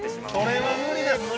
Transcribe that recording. ◆それは無理です。